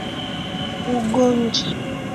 ugonjwa wa ukimwi unaweza kudhibitiwa vizuri